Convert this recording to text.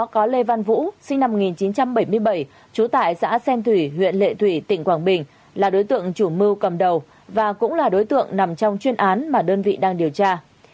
có lê văn vũ sinh năm một nghìn chín trăm bảy mươi bảy trú tại xã xen thủy huyện lệ thủy tỉnh quảng bình là đối tượng chủ mưu cầm đầu và cũng là đối tượng nằm trong chuyên án mà đơn vị đang điều tra